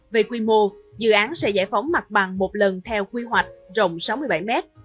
về quy mô dự án sẽ giải phóng mặt bằng một lần theo quy hoạch rộng sáu mươi bảy mét